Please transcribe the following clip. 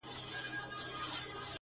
پروت لا پر ساحل ومه توپان راسره وژړل!.